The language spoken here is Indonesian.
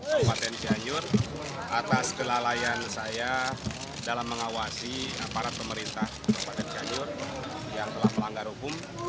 kabupaten cianjur atas kelalaian saya dalam mengawasi aparat pemerintah kabupaten cianjur yang telah melanggar hukum